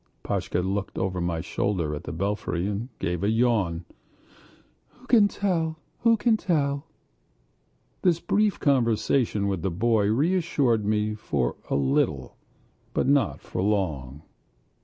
Pashka looked over my shoulder at the belfry and gave a yawn. "Who can tell?" This brief conversation with the boy reassured me for a little, but not for long.